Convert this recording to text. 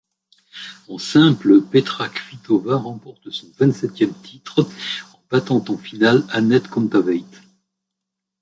En simple, Petra Kvitová remporte son vingt-septième titre en battant en finale Anett Kontaveit.